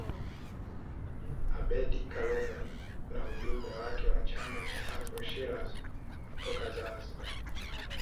Abeid Karume na ujumbe wake wa chama cha Afro Shirazi kutoka Zanzibar